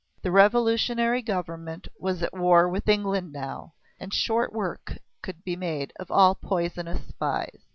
The revolutionary government was at war with England now, and short work could be made of all poisonous spies.